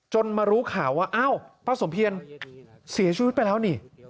มารู้ข่าวว่าอ้าวป้าสมเพียรเสียชีวิตไปแล้วนี่